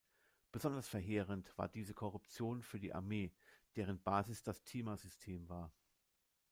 Besonders verheerend war diese Korruption für die Armee, deren Basis das Tımar-System war.